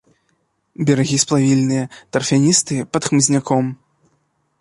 Берагі сплавінныя, тарфяністыя, пад хмызняком.